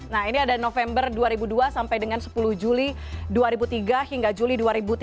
nah ini ada november dua ribu dua sampai dengan sepuluh juli dua ribu tiga hingga juli dua ribu tujuh belas